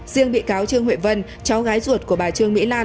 riêng bị cáo trương huệ vân cháu gái ruột của bà trương mỹ lan